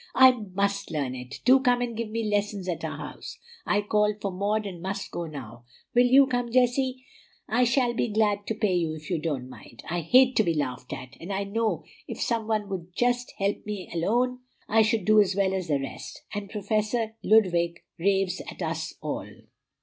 "I MUST learn it! Do come and give me lessons at our house. I called for Maud and must go now. Will you come, Jessie? I'll be glad to pay you if you don't mind. I hate to be laughed at; and I know if some one would just help me alone I should do as well as the rest, for Professor Ludwig raves at us all."